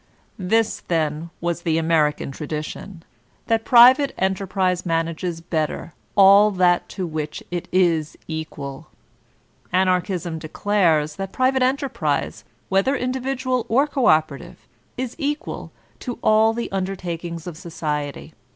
This then was the American tradition, that private enterprise manages better all that to which it is equal. Anarchism declares that private enterprise, whether individual or co operative, is equal to all the undertakings of society.